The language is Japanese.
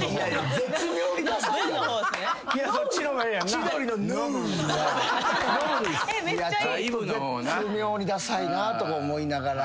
絶妙にダサいと思いながら。